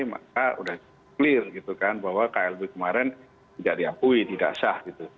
maka sudah jelas bahwa klb kemarin tidak diakui tidak syah